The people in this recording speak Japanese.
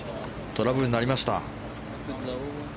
トラブルになりました。